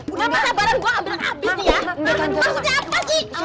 udah mah sabaran gua ambil ambil abis nih ya